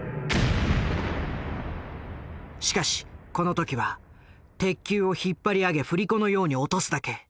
しかしこの時は鉄球を引っ張り上げ振り子のように落とすだけ。